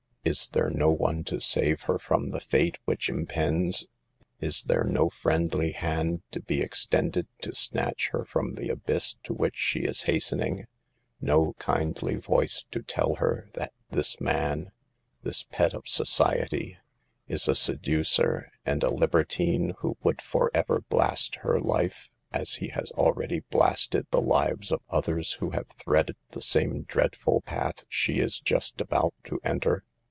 Is there no one to save her from the fate which impends ? Is there no friendly hand to be ex tended to snatch her from the abyss to which she is hastening, no kindly voice to tell her that this man, this pet of society, is a seducer and a libertine who would for ever blast her life as he has already blasted the lives of others who have threaded the same dreadful path she is just about to enter